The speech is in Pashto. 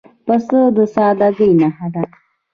پسه د سادګۍ نښه ده.